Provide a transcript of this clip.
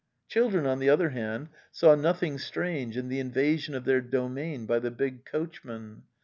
Children, on the other hand, saw nothing strange in the invasion of their domain by the big coachman.